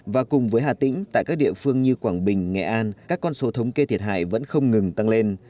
và cùng với hà tĩnh tại các địa phương như quảng bình nghệ an các con số thống kê thiệt hại vẫn không ngừng tăng lên